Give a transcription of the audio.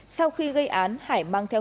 sau khi gây án hải mang theo